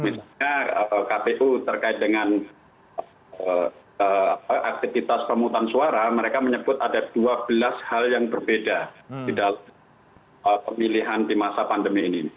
misalnya kpu terkait dengan aktivitas pemutusan suara mereka menyebut ada dua belas hal yang berbeda di dalam pemilihan di masa pandemi ini